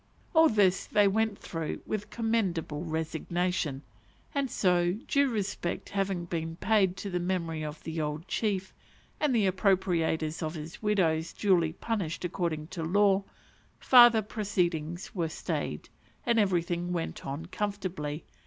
All this they went through with commendable resignation; and so, due respect having been paid to the memory of the old chief, and the appropriators of his widows duly punished according to law, farther proceedings were stayed, and everything went on comfortably.